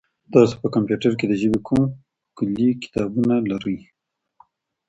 تاسي په کمپیوټر کي د ژبې کوم کلي کتابونه لرئ؟